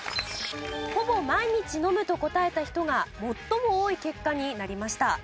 ほぼ毎日飲むと答えた人が最も多い結果になりました。